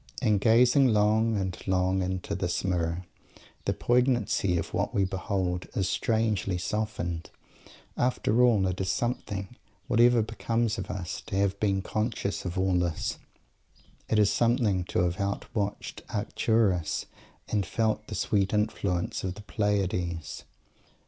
And gazing long and long into this mirror, the poignancy of what we behold is strangely softened. After all, it is something, whatever becomes of us, to have been conscious of all this. It is something to have outwatched Arcturus, and felt "the sweet influences" of the Pleiades.